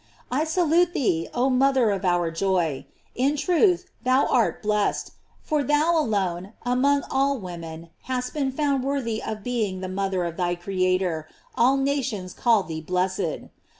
I salute thee, oh mother of our joy. In truth thou art blessed, for thou alone, among all women, hast been found worthy of being th« GLORIES OF MARY. 329 mother of thy Creator. All nations call thee blessed.